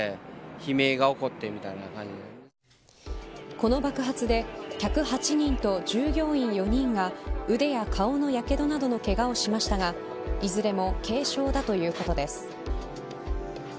この爆発で客８人と従業員４人が腕や顔のやけどなどのけがをしましたがいずれも軽傷だということです。